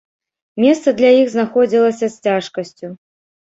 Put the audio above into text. Месца для іх знаходзілася з цяжкасцю.